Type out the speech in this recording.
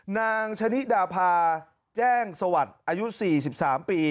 นางชะนิดาพาแจ้งสวัสดิ์อายุ๔๓ปี